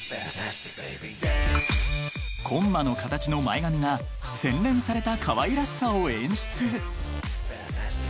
［コンマの形の前髪が洗練されたかわいらしさを演出］